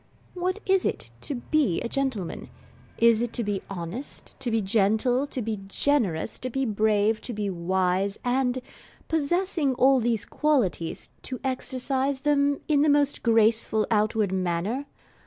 What is it to be a gentleman? Is it to be honest, to be gentle, to be generous, to be brave, to be wise, and, possessing all these qualities, to exercise them in the most graceful outward manner?